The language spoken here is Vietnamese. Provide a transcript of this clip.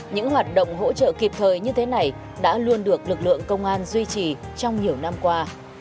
những hoạt động hỗ trợ kịp thời như thế này đã luôn được lực lượng công an duy trì trong nhiều năm qua